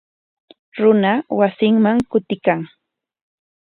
Runa wasinman kutiykan.